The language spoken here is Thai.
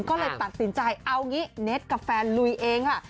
ก็เลยตัดสินใจเอางี้เน็ตกับแฟนลุยเองค่ะ